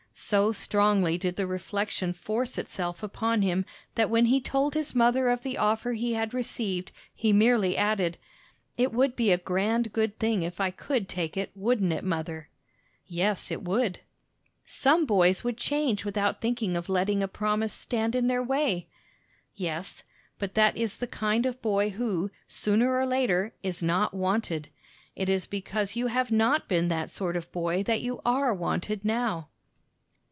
So strongly did the reflection force itself upon him that when he told his mother of the offer he had received, he merely added, "It would be a grand good thing if I could take it, wouldn't it, mother?" "Yes, it would." "Some boys would change without thinking of letting a promise stand in their way." "Yes, but that is the kind of boy who, sooner or later, is not wanted. It is because you have not been that sort of boy that you are wanted now."